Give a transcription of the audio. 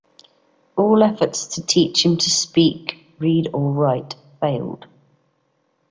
All efforts to teach him to speak, read or write failed.